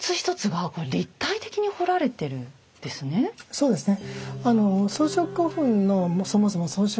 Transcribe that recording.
そうですね。